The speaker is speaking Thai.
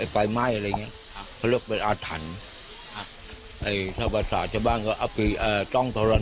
ปกติถ้าพวกภะภะอะไรในไฟไหม้แล้วภะเอาจับมาบูชาย